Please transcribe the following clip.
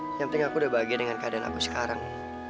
yang penting aku udah bahagia dengan keadaan aku sekarang